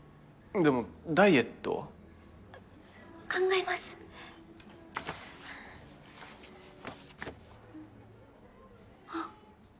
でもダイエットは考えますあっ